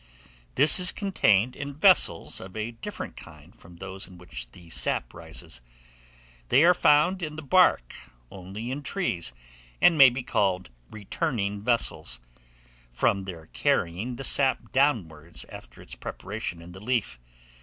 This is contained in vessels of a different kind from those in which the sap rises. They are found in the bark only in trees, and may be called returning vessels, from their carrying the sap downwards after its preparation in the leaf.